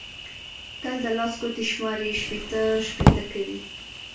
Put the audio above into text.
تل د لاس ګوتې شماري؛ شپېته شپېته کوي.